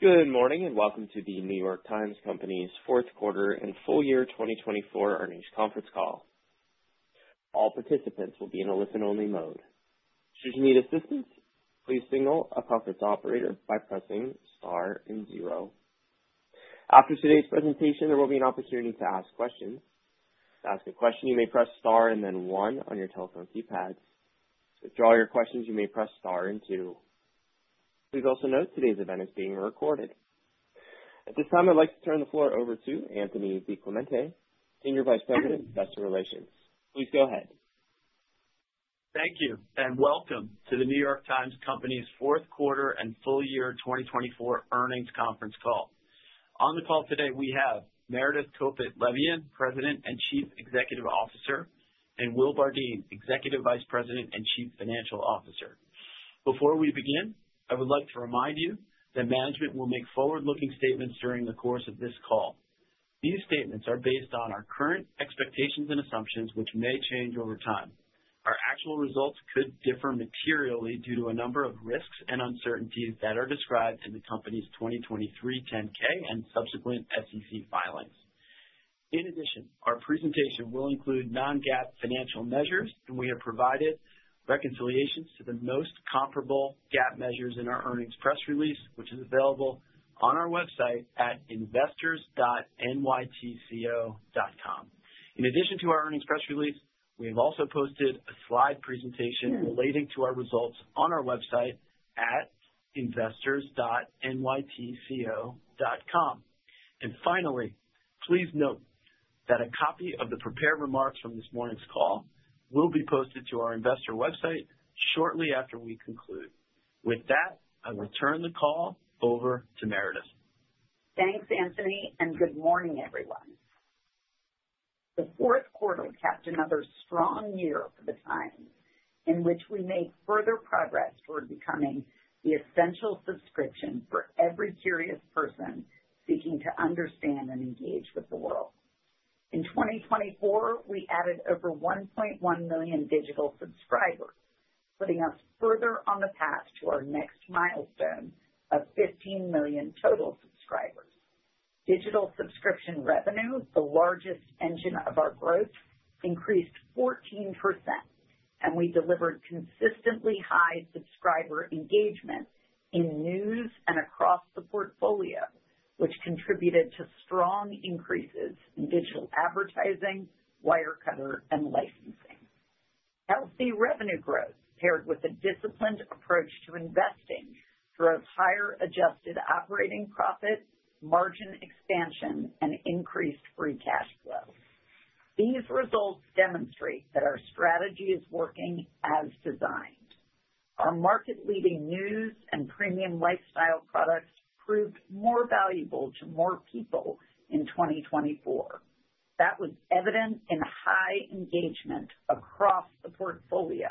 Good morning and welcome to the New York Times Company's fourth quarter and full year 2024 earnings conference call. All participants will be in a listen-only mode. Should you need assistance, please signal a conference operator by pressing star and zero. After today's presentation, there will be an opportunity to ask questions. To ask a question, you may press star and then one on your telephone keypad. To withdraw your questions, you may press star and two. Please also note today's event is being recorded. At this time, I'd like to turn the floor over to Anthony DiClemente, Senior Vice President, Investor Relations. Please go ahead. Thank you and welcome to the New York Times Company's fourth quarter and full year 2024 earnings conference call. On the call today, we have Meredith Kopit Levien, President and Chief Executive Officer, and Will Bardeen, Executive Vice President and Chief Financial Officer. Before we begin, I would like to remind you that management will make forward-looking statements during the course of this call. These statements are based on our current expectations and assumptions, which may change over time. Our actual results could differ materially due to a number of risks and uncertainties that are described in the company's 2023 10-K and subsequent SEC filings. In addition, our presentation will include Non-GAAP financial measures, and we have provided reconciliations to the most comparable GAAP measures in our earnings press release, which is available on our website at investors.nytco.com. In addition to our earnings press release, we have also posted a slide presentation relating to our results on our website at investors.nytco.com. And finally, please note that a copy of the prepared remarks from this morning's call will be posted to our investor website shortly after we conclude. With that, I will turn the call over to Meredith. Thanks, Anthony, and good morning, everyone. The fourth quarter capped another strong year for the Times in which we made further progress toward becoming the essential subscription for every serious person seeking to understand and engage with the world. In 2024, we added over 1.1 million digital subscribers, putting us further on the path to our next milestone of 15 million total subscribers. Digital subscription revenue, the largest engine of our growth, increased 14%, and we delivered consistently high subscriber engagement in news and across the portfolio, which contributed to strong increases in digital advertising, Wirecutter, and licensing. Healthy revenue growth, paired with a disciplined approach to investing, drove higher adjusted operating profit, margin expansion, and increased free cash flow. These results demonstrate that our strategy is working as designed. Our market-leading news and premium lifestyle products proved more valuable to more people in 2024. That was evident in high engagement across the portfolio,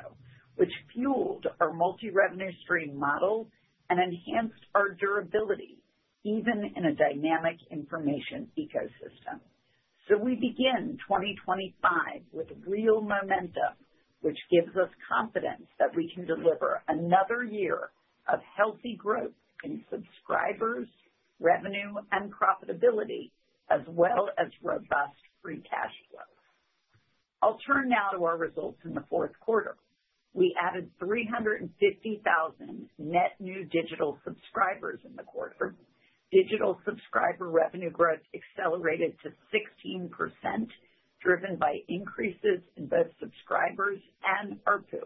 which fueled our multi-revenue stream model and enhanced our durability even in a dynamic information ecosystem. We begin 2025 with real momentum, which gives us confidence that we can deliver another year of healthy growth in subscribers, revenue, and profitability, as well as robust free cash flow. I'll turn now to our results in the fourth quarter. We added 350,000 net new digital subscribers in the quarter. Digital subscriber revenue growth accelerated to 16%, driven by increases in both subscribers and ARPU.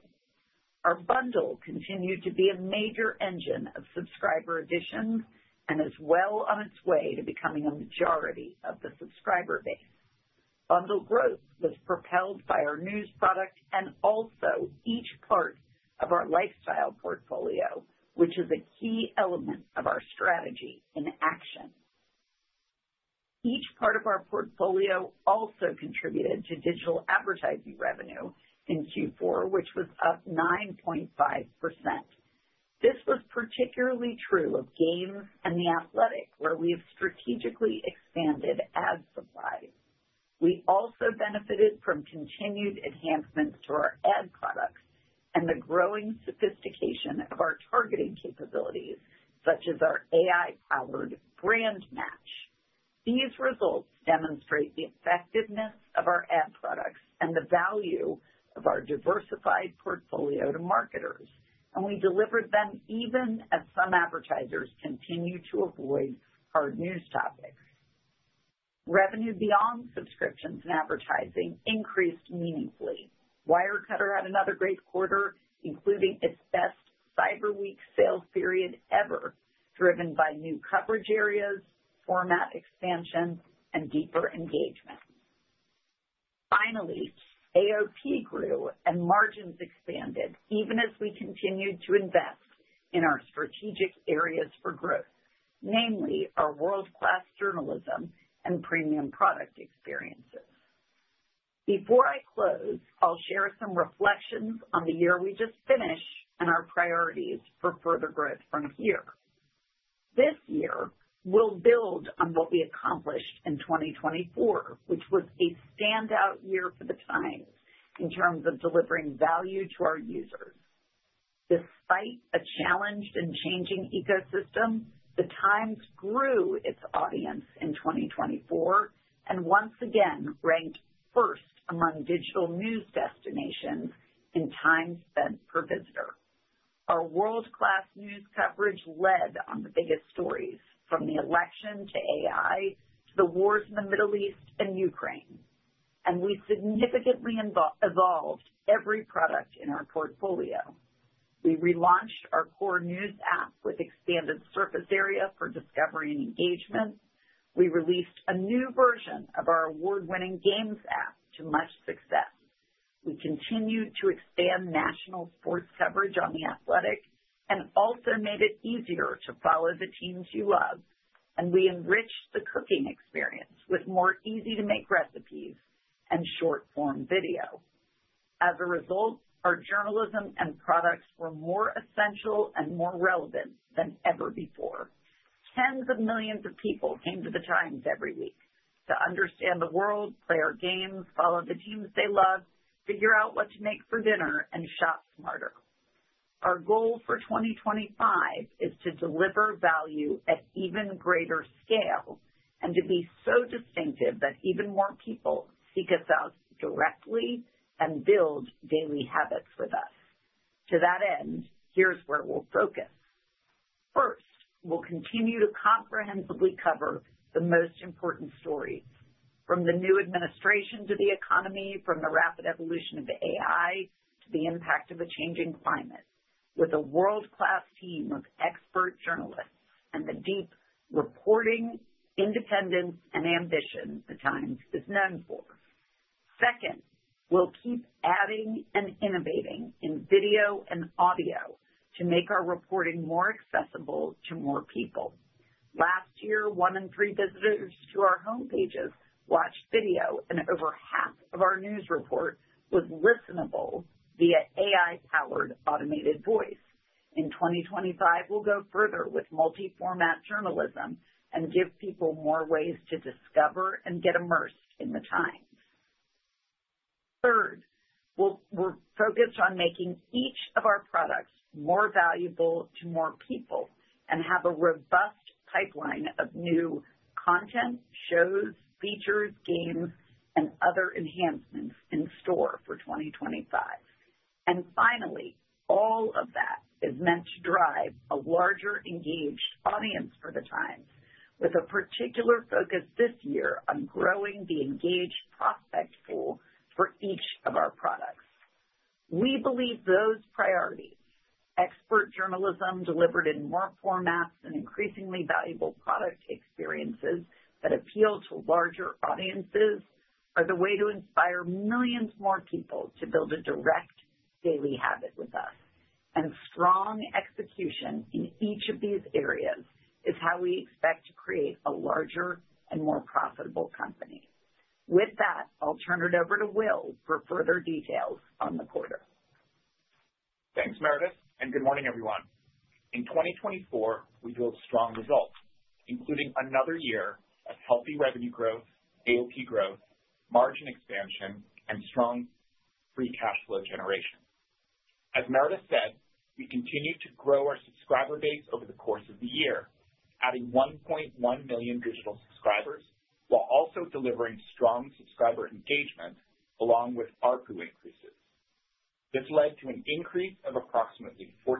Our bundle continued to be a major engine of subscriber additions and is well on its way to becoming a majority of the subscriber base. Bundle growth was propelled by our news product and also each part of our lifestyle portfolio, which is a key element of our strategy in action. Each part of our portfolio also contributed to digital advertising revenue in Q4, which was up 9.5%. This was particularly true of Games and The Athletic, where we have strategically expanded ad supply. We also benefited from continued enhancements to our ad products and the growing sophistication of our targeting capabilities, such as our AI-powered BrandMatch. These results demonstrate the effectiveness of our ad products and the value of our diversified portfolio to marketers, and we delivered them even as some advertisers continue to avoid hard news topics. Revenue beyond subscriptions and advertising increased meaningfully. Wirecutter had another great quarter, including its best Cyber Week sales period ever, driven by new coverage areas, format expansion, and deeper engagement. Finally, AOP grew and margins expanded even as we continued to invest in our strategic areas for growth, namely our world-class journalism and premium product experiences. Before I close, I'll share some reflections on the year we just finished and our priorities for further growth from here. This year, we'll build on what we accomplished in 2024, which was a standout year for the Times in terms of delivering value to our users. Despite a challenged and changing ecosystem, the Times grew its audience in 2024 and once again ranked first among digital news destinations in time spent per visitor. Our world-class news coverage led on the biggest stories, from the election to AI to the wars in the Middle East and Ukraine, and we significantly evolved every product in our portfolio. We relaunched our core news app with expanded surface area for discovery and engagement. We released a new version of our award-winning games app to much success. We continued to expand national sports coverage on The Athletic and also made it easier to follow the teams you love, and we enriched the Cooking experience with more easy-to-make recipes and short-form video. As a result, our journalism and products were more essential and more relevant than ever before. Tens of millions of people came to the Times every week to understand the world, play our Games, follow the teams they love, figure out what to make for dinner, and shop smarter. Our goal for 2025 is to deliver value at even greater scale and to be so distinctive that even more people seek us out directly and build daily habits with us. To that end, here's where we'll focus. First, we'll continue to comprehensively cover the most important stories, from the new administration to the economy, from the rapid evolution of AI to the impact of a changing climate, with a world-class team of expert journalists and the deep reporting independence and ambition the Times is known for. Second, we'll keep adding and innovating in video and audio to make our reporting more accessible to more people. Last year, one in three visitors to our homepages watched video, and over half of our news report was listenable via AI-powered automated voice. In 2025, we'll go further with multi-format journalism and give people more ways to discover and get immersed in the Times. Third, we'll focus on making each of our products more valuable to more people and have a robust pipeline of new content, shows, features, games, and other enhancements in store for 2025. And finally, all of that is meant to drive a larger engaged audience for the Times, with a particular focus this year on growing the engaged prospect pool for each of our products. We believe those priorities, expert journalism delivered in more formats and increasingly valuable product experiences that appeal to larger audiences, are the way to inspire millions more people to build a direct daily habit with us. And strong execution in each of these areas is how we expect to create a larger and more profitable company. With that, I'll turn it over to Will for further details on the quarter. Thanks, Meredith, and good morning, everyone. In 2024, we drove strong results, including another year of healthy revenue growth, AOP growth, margin expansion, and strong free cash flow generation. As Meredith said, we continued to grow our subscriber base over the course of the year, adding 1.1 million digital subscribers while also delivering strong subscriber engagement along with ARPU increases. This led to an increase of approximately 14%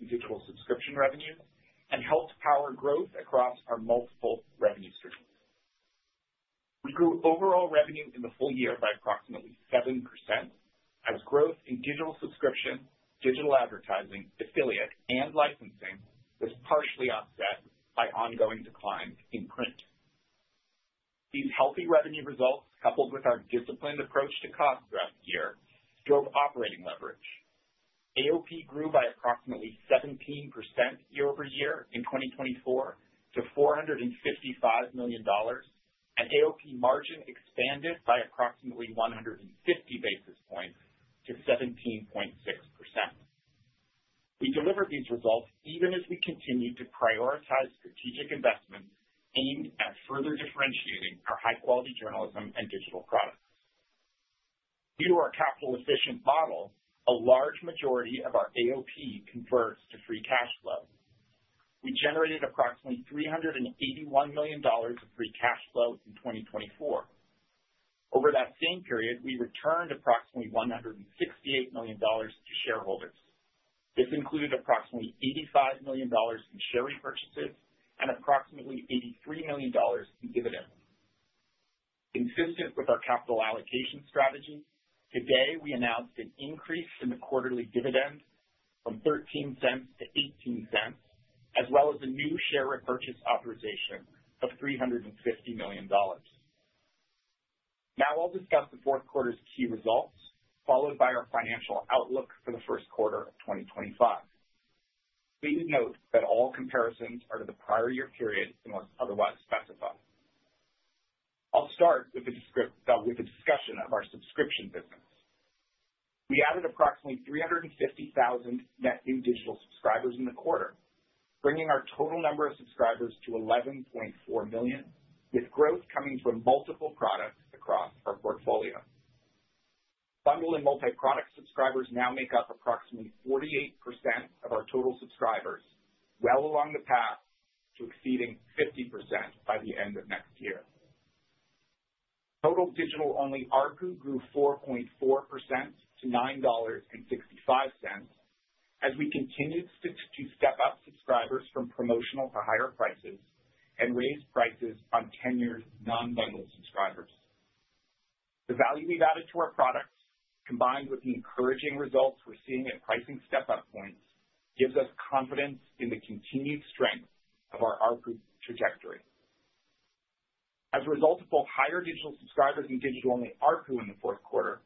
in digital subscription revenues and helped power growth across our multiple revenue streams. We grew overall revenue in the full year by approximately 7% as growth in digital subscription, digital advertising, affiliate, and licensing was partially offset by ongoing declines in print. These healthy revenue results, coupled with our disciplined approach to cost throughout the year, drove operating leverage. AOP grew by approximately 17% year over year in 2024 to $455 million, and AOP margin expanded by approximately 150 basis points to 17.6%. We delivered these results even as we continued to prioritize strategic investments aimed at further differentiating our high-quality journalism and digital products. Due to our capital-efficient model, a large majority of our AOP converts to free cash flow. We generated approximately $381 million of free cash flow in 2024. Over that same period, we returned approximately $168 million to shareholders. This included approximately $85 million in share repurchases and approximately $83 million in dividends. Consistent with our capital allocation strategy, today we announced an increase in the quarterly dividend from $0.13 to $0.18, as well as a new share repurchase authorization of $350 million. Now I'll discuss the fourth quarter's key results, followed by our financial outlook for the first quarter of 2025. Please note that all comparisons are to the prior year period unless otherwise specified. I'll start with the discussion of our subscription business. We added approximately 350,000 net new digital subscribers in the quarter, bringing our total number of subscribers to 11.4 million, with growth coming from multiple products across our portfolio. Bundle and multi-product subscribers now make up approximately 48% of our total subscribers, well along the path to exceeding 50% by the end of next year. Total digital-only ARPU grew 4.4% to $9.65 as we continued to step up subscribers from promotional to higher prices and raised prices on tenured non-bundled subscribers. The value we've added to our products, combined with the encouraging results we're seeing at pricing step-up points, gives us confidence in the continued strength of our ARPU trajectory. As a result of both higher digital subscribers and digital-only ARPU in the fourth quarter,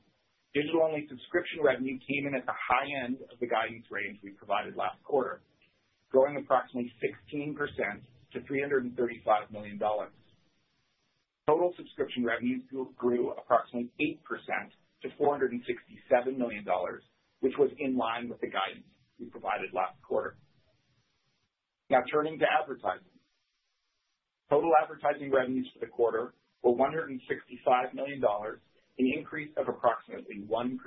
digital-only subscription revenue came in at the high end of the guidance range we provided last quarter, growing approximately 16% to $335 million. Total subscription revenue grew approximately 8% to $467 million, which was in line with the guidance we provided last quarter. Now turning to advertising. Total advertising revenues for the quarter were $165 million, an increase of approximately 1%.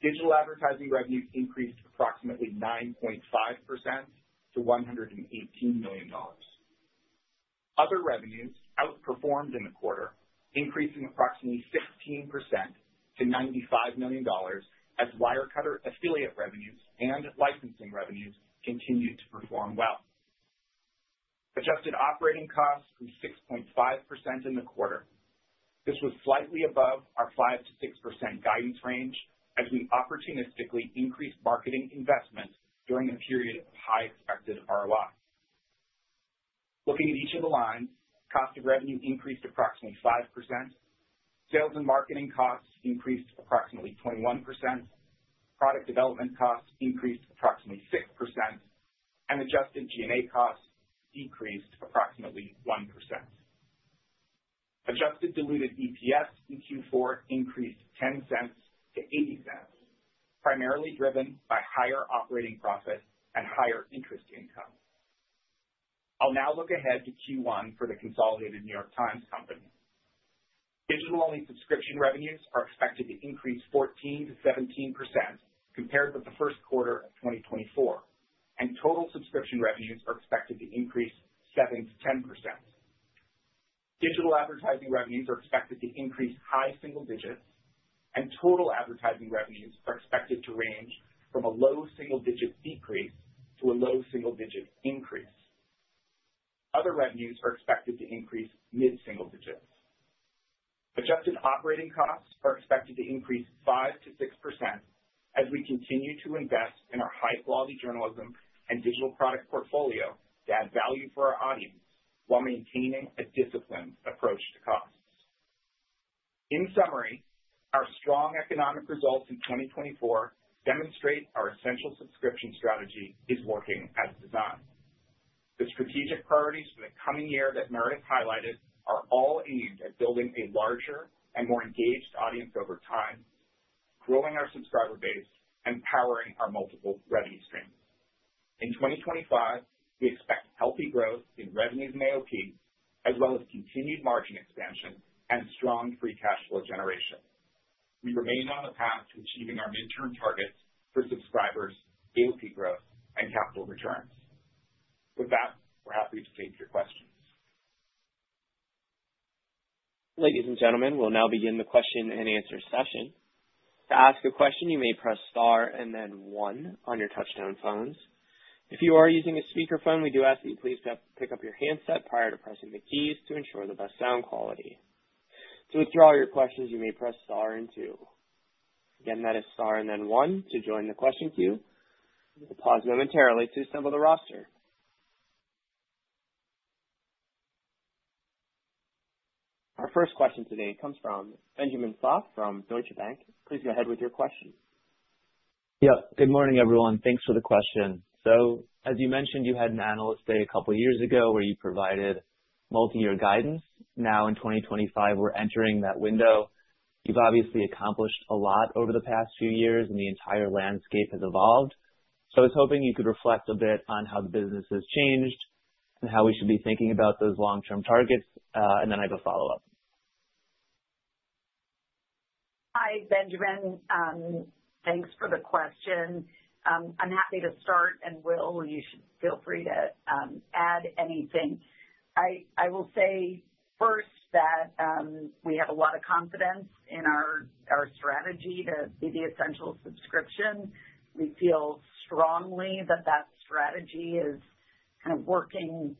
Digital advertising revenues increased approximately 9.5% to $118 million. Other revenues outperformed in the quarter, increasing approximately 16% to $95 million as Wirecutter affiliate revenues and licensing revenues continued to perform well. Adjusted operating costs grew 6.5% in the quarter. This was slightly above our 5%-6% guidance range as we opportunistically increased marketing investment during a period of high expected ROI. Looking at each of the lines, cost of revenue increased approximately 5%. Sales and marketing costs increased approximately 21%. Product development costs increased approximately 6%, and adjusted G&A costs decreased approximately 1%. Adjusted Diluted EPS in Q4 increased $0.10 to $0.80, primarily driven by higher operating profit and higher interest income. I'll now look ahead to Q1 for the consolidated The New York Times Company. Digital-only subscription revenues are expected to increase 14%-17% compared with the first quarter of 2024, and total subscription revenues are expected to increase 7%-10%. Digital advertising revenues are expected to increase high single digits, and total advertising revenues are expected to range from a low single-digit decrease to a low single-digit increase. Other revenues are expected to increase mid-single digits. Adjusted operating costs are expected to increase 5%-6% as we continue to invest in our high-quality journalism and digital product portfolio to add value for our audience while maintaining a disciplined approach to costs. In summary, our strong economic results in 2024 demonstrate our essential subscription strategy is working as designed. The strategic priorities for the coming year that Meredith highlighted are all aimed at building a larger and more engaged audience over time, growing our subscriber base, and powering our multiple revenue streams. In 2025, we expect healthy growth in revenues and AOP, as well as continued margin expansion and strong free cash flow generation. We remain on the path to achieving our midterm targets for subscribers, AOP growth, and capital returns. With that, we're happy to take your questions. Ladies and gentlemen, we'll now begin the question and answer session. To ask a question, you may press star and then 1 on your touch-tone phones. If you are using a speakerphone, we do ask that you please pick up your handset prior to pressing the keys to ensure the best sound quality. To withdraw your questions, you may press star and 2. Again, that is star and then 1 to join the question queue. We'll pause momentarily to assemble the roster. Our first question today comes from Benjamin Soff from Deutsche Bank. Please go ahead with your question. Yep. Good morning, everyone. Thanks for the question, so as you mentioned, you had an analyst day a couple of years ago where you provided multi-year guidance. Now, in 2025, we're entering that window. You've obviously accomplished a lot over the past few years, and the entire landscape has evolved, so I was hoping you could reflect a bit on how the business has changed and how we should be thinking about those long-term targets, and then I have a follow-up. Hi, Benjamin. Thanks for the question. I'm happy to start, and Will, you should feel free to add anything. I will say first that we have a lot of confidence in our strategy to be the essential subscription. We feel strongly that that strategy is kind of working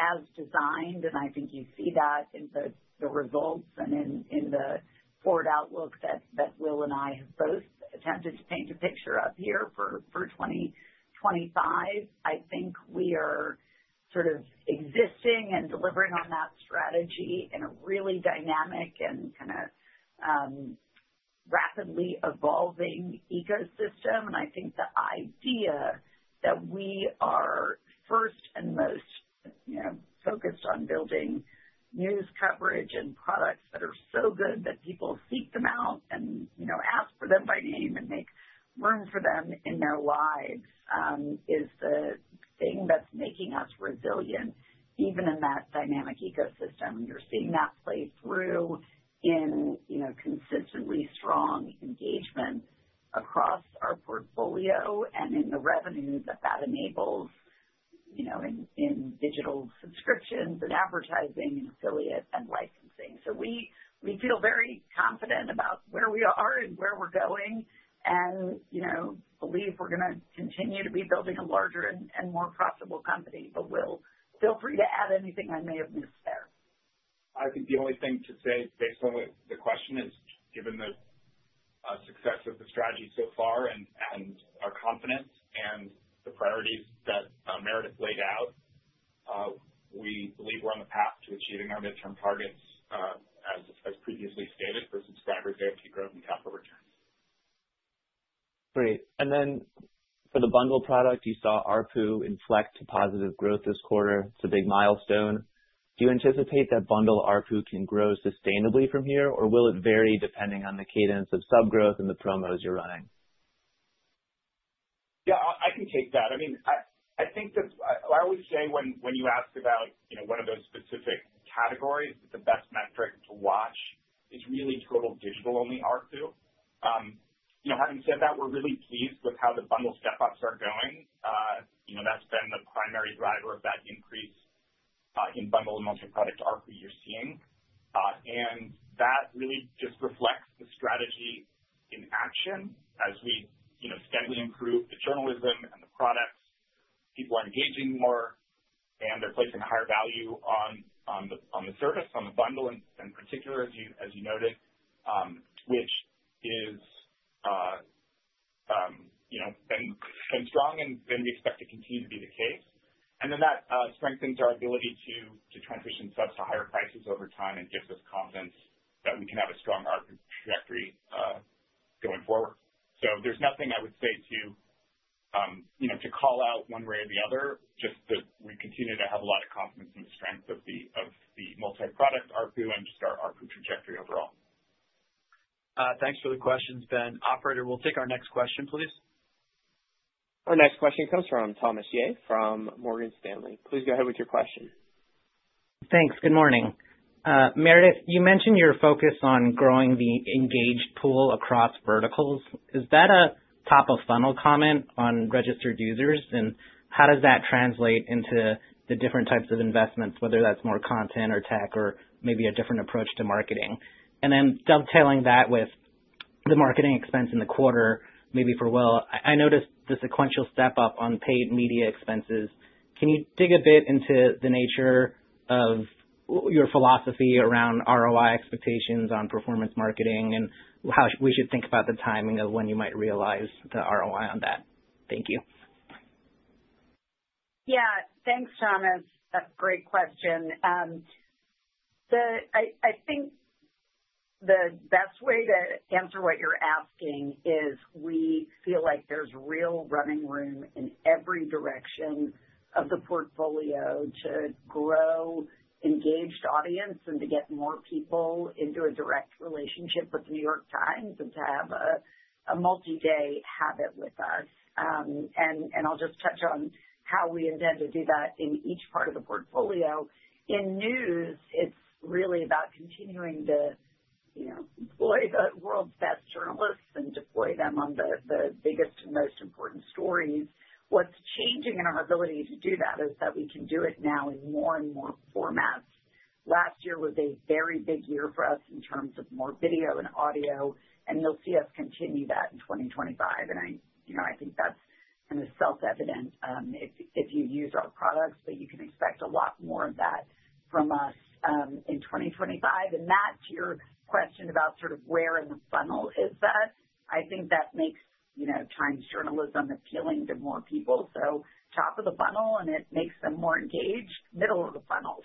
as designed, and I think you see that in the results and in the forward outlook that Will and I have both attempted to paint a picture of here for 2025. I think we are sort of existing and delivering on that strategy in a really dynamic and kind of rapidly evolving ecosystem. And I think the idea that we are first and most focused on building news coverage and products that are so good that people seek them out and ask for them by name and make room for them in their lives is the thing that's making us resilient even in that dynamic ecosystem. And you're seeing that play through in consistently strong engagement across our portfolio and in the revenue that that enables in digital subscriptions and advertising and affiliate and licensing. So, we feel very confident about where we are and where we're going and believe we're going to continue to be building a larger and more profitable company. But Will, feel free to add anything I may have missed there. I think the only thing to say based on the question is, given the success of the strategy so far and our confidence and the priorities that Meredith laid out, we believe we're on the path to achieving our midterm targets as previously stated for subscribers, AOP growth, and capital returns. Great. And then for the bundle product, you saw ARPU inflect to positive growth this quarter. It's a big milestone. Do you anticipate that bundle ARPU can grow sustainably from here, or will it vary depending on the cadence of subgrowth and the promos you're running? Yeah, I can take that. I mean, I think that I always say when you ask about one of those specific categories that the best metric to watch is really total digital-only ARPU. Having said that, we're really pleased with how the bundle step-ups are going. That's been the primary driver of that increase in bundle and multi-product ARPU you're seeing. And that really just reflects the strategy in action as we steadily improve the journalism and the products. People are engaging more, and they're placing a higher value on the service, on the bundle in particular, as you noted, which has been strong, and we expect to continue to be the case. And then that strengthens our ability to transition subs to higher prices over time and gives us confidence that we can have a strong ARPU trajectory going forward. So, there's nothing I would say to call out one way or the other, just that we continue to have a lot of confidence in the strength of the multi-product ARPU and just our ARPU trajectory overall. Thanks for the questions, Ben. Operator, we'll take our next question, please. Our next question comes from Thomas Yeh from Morgan Stanley. Please go ahead with your question. Thanks. Good morning. Meredith, you mentioned your focus on growing the engaged pool across verticals. Is that a top-of-funnel comment on registered users? And how does that translate into the different types of investments, whether that's more content or tech or maybe a different approach to marketing? And then dovetailing that with the marketing expense in the quarter, maybe for Will, I noticed the sequential step-up on paid media expenses. Can you dig a bit into the nature of your philosophy around ROI expectations on performance marketing and how we should think about the timing of when you might realize the ROI on that? Thank you. Yeah. Thanks, Thomas. That's a great question. I think the best way to answer what you're asking is we feel like there's real running room in every direction of the portfolio to grow engaged audience and to get more people into a direct relationship with The New York Times and to have a multi-day habit with us, and I'll just touch on how we intend to do that in each part of the portfolio. In news, it's really about continuing to deploy the world's best journalists and deploy them on the biggest and most important stories. What's changing in our ability to do that is that we can do it now in more and more formats. Last year was a very big year for us in terms of more video and audio, and you'll see us continue that in 2025. I think that's kind of self-evident if you use our products, but you can expect a lot more of that from us in 2025. Matt, to your question about sort of where in the funnel is that, I think that makes Times journalism appealing to more people, top of the funnel, and it makes them more engaged, middle of the funnel.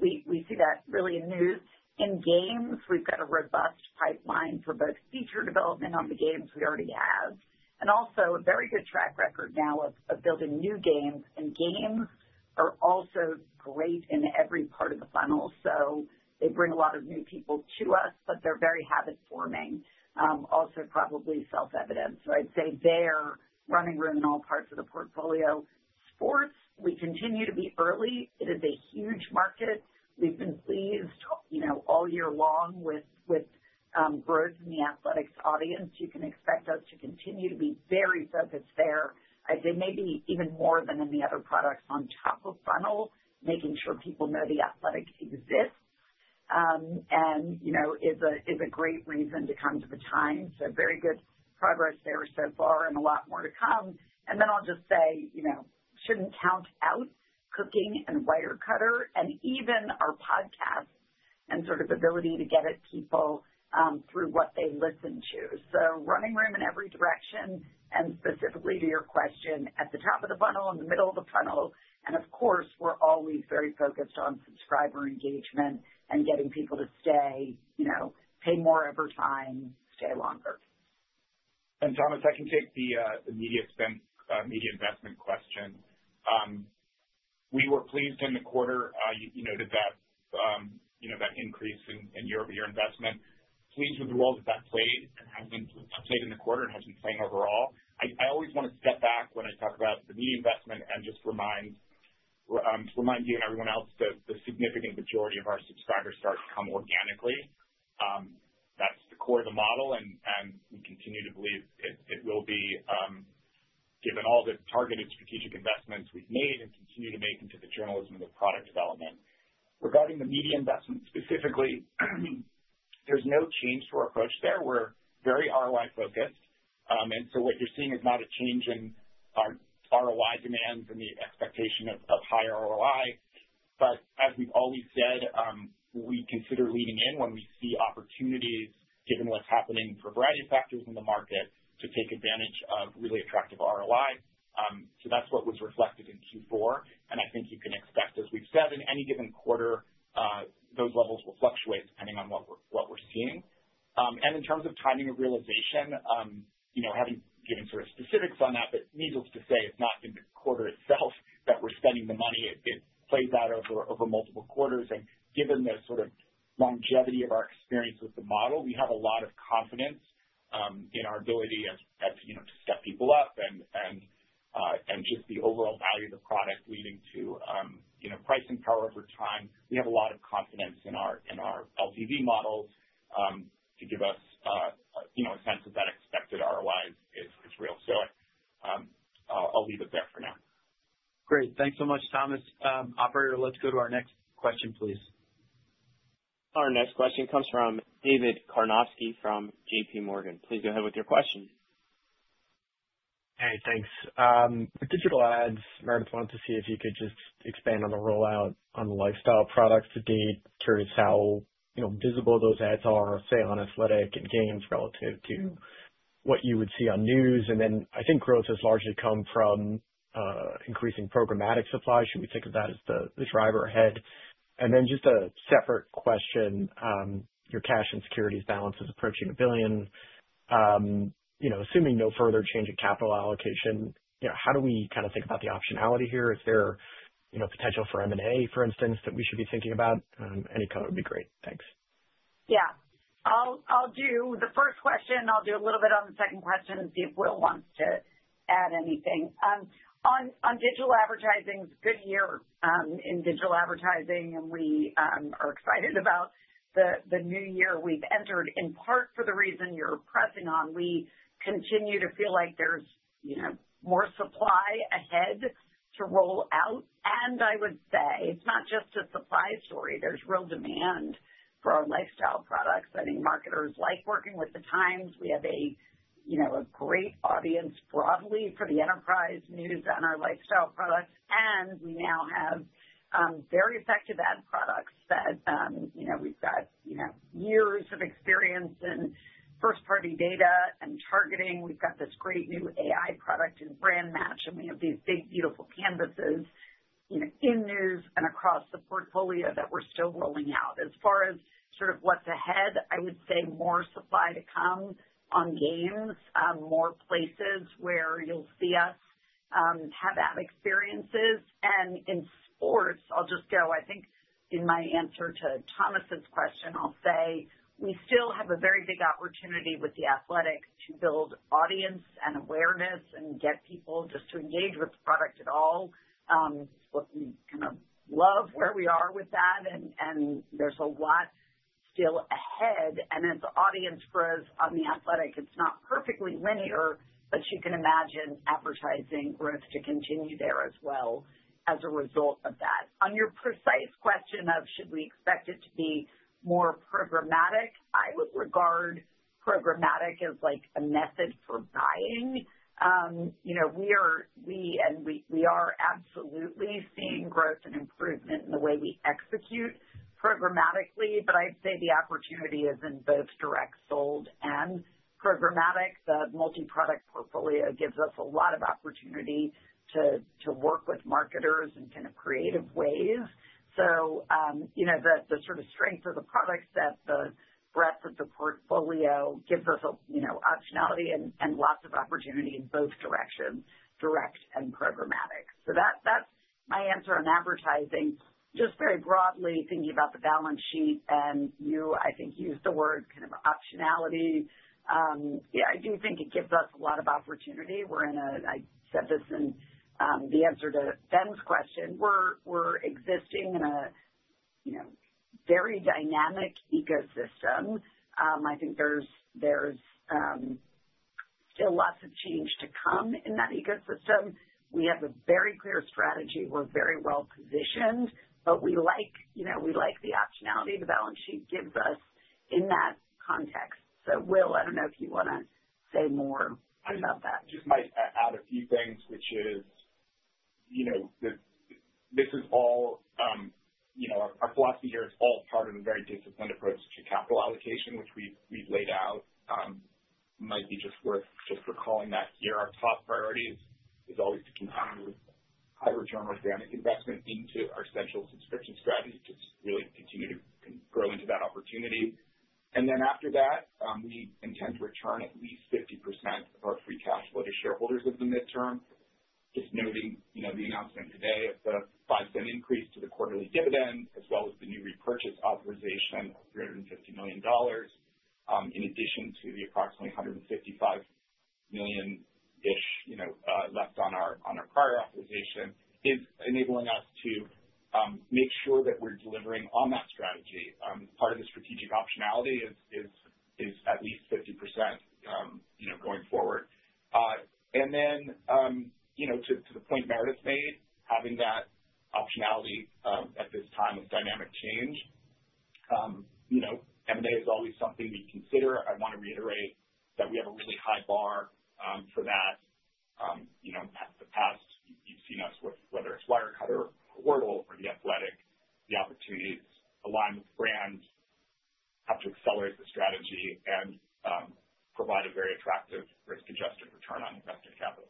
We see that really in news. In games, we've got a robust pipeline for both feature development on the games we already have, and also a very good track record now of building new games. Games are also great in every part of the funnel. They bring a lot of new people to us, but they're very habit-forming. Also, probably self-evident. I'd say they're running room in all parts of the portfolio. Sports, we continue to be early. It is a huge market. We've been pleased all year long with growth in The Athletic's audience. You can expect us to continue to be very focused there. I'd say maybe even more than in the other products on top of funnel, making sure people know The Athletic exists and is a great reason to come to the Times, so very good progress there so far and a lot more to come, and then I'll just say shouldn't count out Cooking and Wirecutter and even our podcast and sort of ability to get at people through what they listen to, so running room in every direction, and specifically to your question, at the top of the funnel, in the middle of the funnel, and of course, we're always very focused on subscriber engagement and getting people to stay, pay more over time, stay longer. Thomas, I can take the media investment question. We were pleased in the quarter. You noted that increase in your investment. Pleased with the role that that played in the quarter and has been playing overall. I always want to step back when I talk about the media investment and just remind you and everyone else that the significant majority of our subscribers start to come organically. That's the core of the model, and we continue to believe it will be given all the targeted strategic investments we've made and continue to make into the journalism and the product development. Regarding the media investment specifically, there's no change to our approach there. We're very ROI-focused. So, what you're seeing is not a change in ROI demands and the expectation of higher ROI. But as we've always said, we consider leaning in when we see opportunities, given what's happening for variety of factors in the market, to take advantage of really attractive ROI. So, that's what was reflected in Q4. And I think you can expect, as we've said, in any given quarter, those levels will fluctuate depending on what we're seeing. And in terms of timing of realization, haven't given sort of specifics on that, but needless to say, it's not in the quarter itself that we're spending the money. It plays out over multiple quarters. And given the sort of longevity of our experience with the model, we have a lot of confidence in our ability to step people up and just the overall value of the product leading to pricing power over time. We have a lot of confidence in our LTV models to give us a sense of that expected ROI is real, so I'll leave it there for now. Great. Thanks so much, Thomas. Operator, let's go to our next question, please. Our next question comes from David Karnovsky from J.P. Morgan. Please go ahead with your question. Hey, thanks. Digital ads, Meredith, wanted to see if you could just expand on the rollout on the lifestyle products to date. Curious how visible those ads are, say, on athletic and games relative to what you would see on news. And then I think growth has largely come from increasing programmatic supply. Should we think of that as the driver ahead? And then just a separate question, your cash and securities balance is approaching $1 billion. Assuming no further change in capital allocation, how do we kind of think about the optionality here? Is there potential for M&A, for instance, that we should be thinking about? Any color would be great. Thanks. Yeah. I'll do the first question. I'll do a little bit on the second question and see if Will wants to add anything. On digital advertising, it's a good year in digital advertising, and we are excited about the new year we've entered in part for the reason you're pressing on. We continue to feel like there's more supply ahead to roll out. I would say it's not just a supply story. There's real demand for our lifestyle products. I think marketers like working with the Times. We have a great audience broadly for the enterprise news and our lifestyle products. We now have very effective ad products that we've got years of experience in first-party data and targeting. We've got this great new AI product in BrandMatch, and we have these big, beautiful canvases in news and across the portfolio that we're still rolling out. As far as sort of what's ahead, I would say more supply to come on games, more places where you'll see us have ad experiences. And in sports, I'll just go, I think in my answer to Thomas's question, I'll say we still have a very big opportunity with The Athletic to build audience and awareness and get people just to engage with the product at all. We kind of love where we are with that, and there's a lot still ahead. And as audience grows on The Athletic, it's not perfectly linear, but you can imagine advertising growth to continue there as well as a result of that. On your precise question of should we expect it to be more programmatic, I would regard programmatic as a method for buying. We are absolutely seeing growth and improvement in the way we execute programmatically, but I'd say the opportunity is in both direct sold and programmatic. The multi-product portfolio gives us a lot of opportunity to work with marketers in kind of creative ways. So, the sort of strength of the products that the breadth of the portfolio gives us optionality and lots of opportunity in both directions, direct and programmatic. So, that's my answer on advertising. Just very broadly, thinking about the balance sheet and you, I think, used the word kind of optionality. Yeah, I do think it gives us a lot of opportunity. I said this in the answer to Ben's question. We're existing in a very dynamic ecosystem. I think there's still lots of change to come in that ecosystem. We have a very clear strategy. We're very well positioned, but we like the optionality the balance sheet gives us in that context. So, Will, I don't know if you want to say more about that. I just might add a few things, which is this is all our philosophy here. It's all part of a very disciplined approach to capital allocation, which we've laid out. It might be just worth just recalling that here. Our top priority is always to continue high return organic investment into our central subscription strategy to really continue to grow into that opportunity. And then after that, we intend to return at least 50% of our free cash flow to shareholders in the midterm, just noting the announcement today of the $0.05 increase to the quarterly dividend, as well as the new repurchase authorization of $350 million in addition to the approximately $155 million-ish left on our prior authorization. It's enabling us to make sure that we're delivering on that strategy. Part of the strategic optionality is at least 50% going forward. And then, to the point Meredith made, having that optionality at this time of dynamic change, M&A is always something we consider. I want to reiterate that we have a really high bar for that. In the past, you've seen us with whether it's Wirecutter, Wordle, or The Athletic. The opportunities align with brands, have to accelerate the strategy, and provide a very attractive risk-adjusted return on invested capital.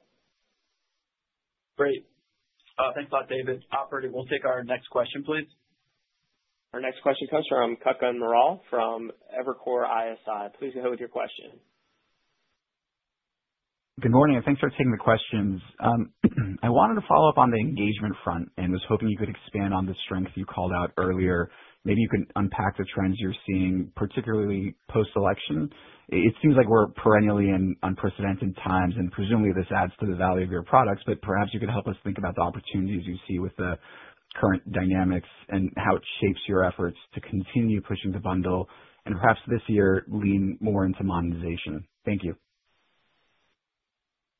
Great. Thanks a lot, David. Operator, we'll take our next question, please. Our next question comes from Kutgun Maral from Evercore ISI. Please go ahead with your question. Good morning, and thanks for taking the questions. I wanted to follow up on the engagement front and was hoping you could expand on the strength you called out earlier. Maybe you could unpack the trends you're seeing, particularly post-election. It seems like we're perennially in unprecedented times, and presumably this adds to the value of your products, but perhaps you could help us think about the opportunities you see with the current dynamics and how it shapes your efforts to continue pushing the bundle and perhaps this year lean more into monetization. Thank you.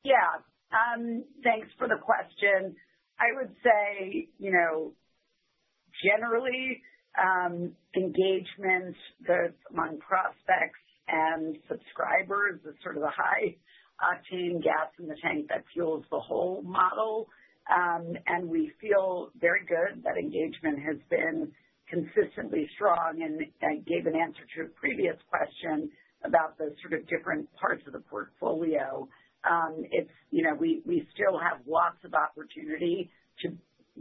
Yeah. Thanks for the question. I would say generally, engagement among prospects and subscribers is sort of the high octane gas in the tank that fuels the whole model. And we feel very good that engagement has been consistently strong and gave an answer to a previous question about the sort of different parts of the portfolio. We still have lots of opportunity to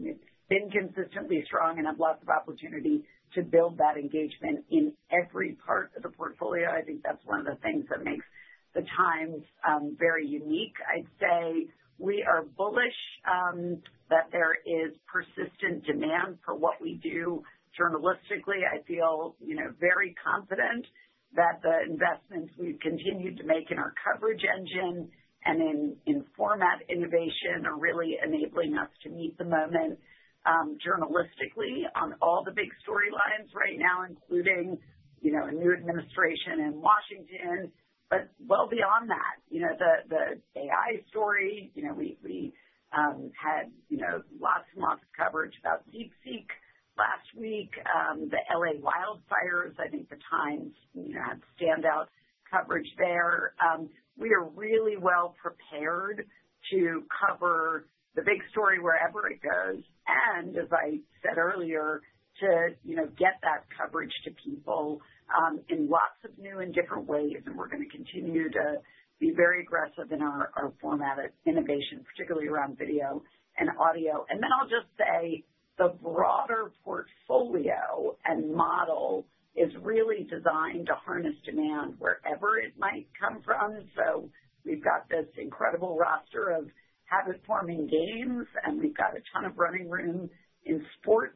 have been consistently strong and have lots of opportunity to build that engagement in every part of the portfolio. I think that's one of the things that makes the Times very unique. I'd say we are bullish that there is persistent demand for what we do journalistically. I feel very confident that the investments we've continued to make in our coverage engine and in format innovation are really enabling us to meet the moment journalistically on all the big storylines right now, including a new administration in Washington, D.C. But well beyond that, the AI story, we had lots and lots of coverage about DeepSeek last week, the L.A. wildfires. I think the Times had standout coverage there. We are really well prepared to cover the big story wherever it goes. And as I said earlier, to get that coverage to people in lots of new and different ways. And we're going to continue to be very aggressive in our format of innovation, particularly around video and audio. And then I'll just say the broader portfolio and model is really designed to harness demand wherever it might come from. So, we've got this incredible roster of habit-forming Games, and we've got a ton of running room in sports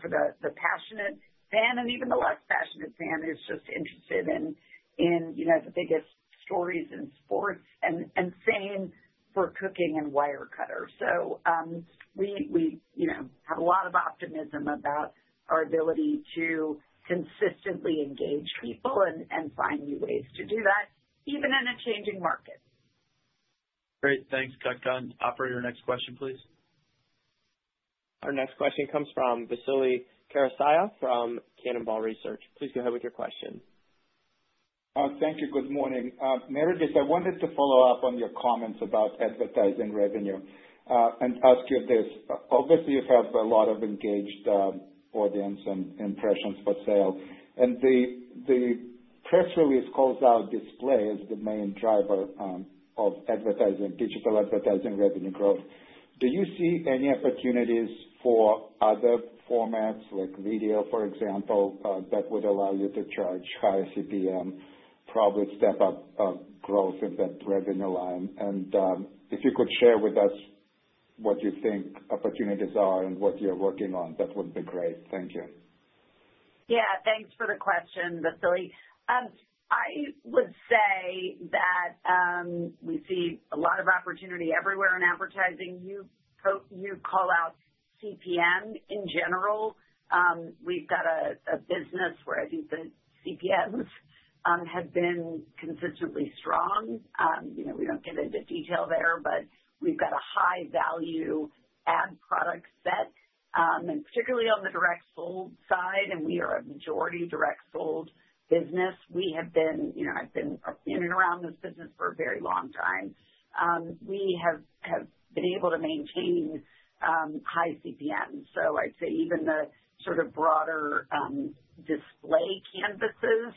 for the passionate fan and even the less passionate fan who's just interested in the biggest stories in sports and same for Cooking and Wirecutter. So, we have a lot of optimism about our ability to consistently engage people and find new ways to do that, even in a changing market. Great. Thanks, Kutgun. Operator, your next question, please. Our next question comes from Vasily Karasyov from Cannonball Research. Please go ahead with your question. Thank you. Good morning. Meredith, I wanted to follow up on your comments about advertising revenue and ask you this. Obviously, you have a lot of engaged audience and impressions for sale. And the press release calls out display as the main driver of digital advertising revenue growth. Do you see any opportunities for other formats, like video, for example, that would allow you to charge higher CPM, probably step up growth in that revenue line? And if you could share with us what you think opportunities are and what you're working on, that would be great. Thank you. Yeah. Thanks for the question, Vasily. I would say that we see a lot of opportunity everywhere in advertising. You call out CPM in general. We've got a business where I think the CPMs have been consistently strong. We don't get into detail there, but we've got a high-value ad product set, particularly on the direct sold side, and we are a majority direct sold business. We have been. I've been in and around this business for a very long time. We have been able to maintain high CPM. So, I'd say even the sort of broader display canvases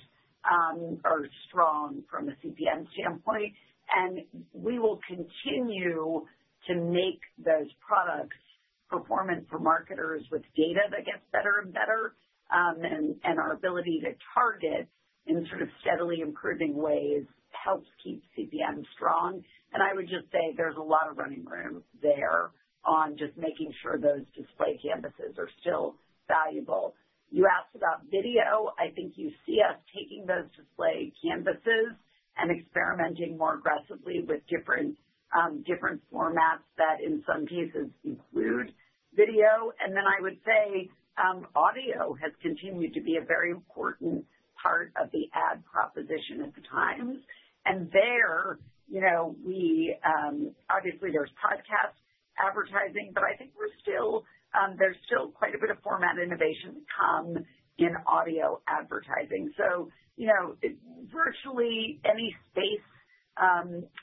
are strong from a CPM standpoint, and we will continue to make those products performant for marketers with data that gets better and better, and our ability to target in sort of steadily improving ways helps keep CPM strong. And I would just say there's a lot of running room there on just making sure those display canvases are still valuable. You asked about video. I think you see us taking those display canvases and experimenting more aggressively with different formats that in some cases include video. And then I would say audio has continued to be a very important part of the ad proposition at the Times. And there, obviously, there's podcast advertising, but I think there's still quite a bit of format innovation to come in audio advertising. So, virtually any space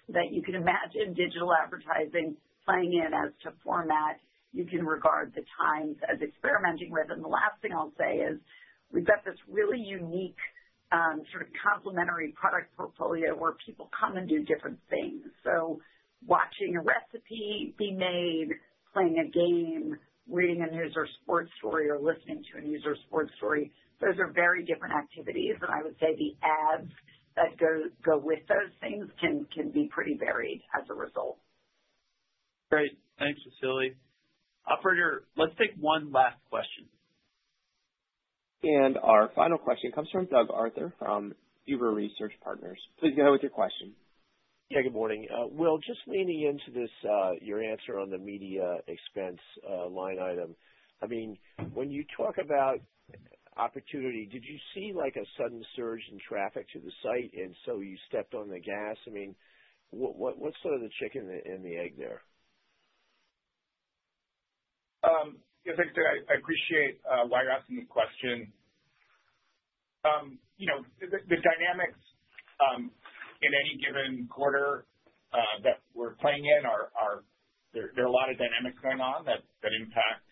that you can imagine digital advertising playing in as to format, you can regard the Times as experimenting with. And the last thing I'll say is we've got this really unique sort of complementary product portfolio where people come and do different things. Watching a recipe be made, playing a game, reading a news or sports story, or listening to a news or sports story, those are very different activities. I would say the ads that go with those things can be pretty varied as a result. Great. Thanks, Vasily. Operator, let's take one last question. And our final question comes from Doug Arthur from Huber Research Partners. Please go ahead with your question. Yeah, good morning. Will, just leaning into your answer on the media expense line item. I mean, when you talk about opportunity, did you see a sudden surge in traffic to the site? And so, you stepped on the gas. I mean, what's sort of the chicken and the egg there? Thanks, Doug. I appreciate why you're asking the question. The dynamics in any given quarter that we're playing in, there are a lot of dynamics going on that impact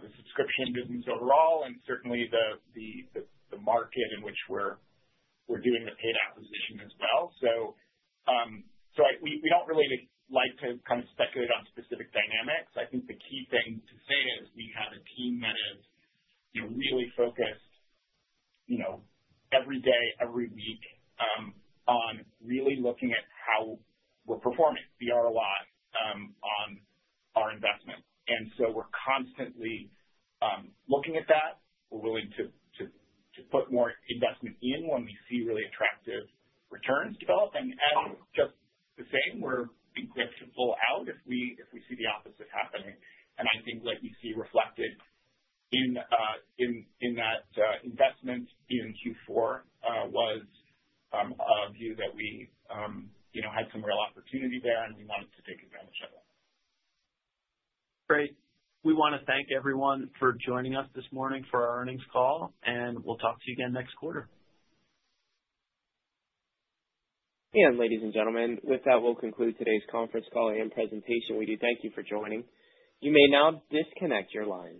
the subscription business overall and certainly the market in which we're doing the paid acquisition as well, so we don't really like to kind of speculate on specific dynamics. I think the key thing to say is we have a team that is really focused every day, every week on really looking at how we're performing, the ROI on our investment, and so we're constantly looking at that. We're willing to put more investment in when we see really attractive returns developing, and just the same, we're being quick to pull out if we see the opposite happening. I think what you see reflected in that investment in Q4 was a view that we had some real opportunity there and we wanted to take advantage of it. Great. We want to thank everyone for joining us this morning for our earnings call, and we'll talk to you again next quarter,. Ladies and gentlemen, with that, we'll conclude today's conference call and presentation. We do thank you for joining. You may now disconnect your line.